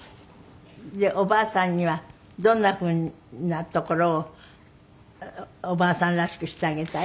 でおばあさんにはどんなふうなところをおばあさんらしくしてあげたい？